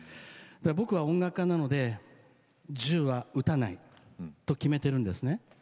僕は音楽家なので銃は撃たないと決めてるんですね。